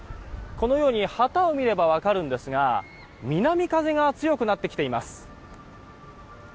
このように旗を見れば分かるんですが南風が強くなってきています。